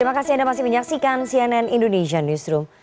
terima kasih anda masih menyaksikan cnn indonesia newsroom